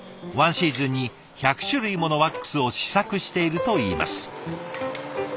１シーズンに１００種類ものワックスを試作しているといいます。